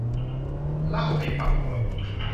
เล่าให้ฟังด้วย